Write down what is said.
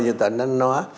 như tưởng anh nói